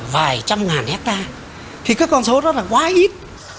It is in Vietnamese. vài trăm ngàn hectare thì cái con số đó là quá ít